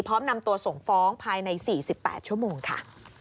พร้อมนำตัวส่งฟ้องภายใน๔๘ชั่วโมงค่ะ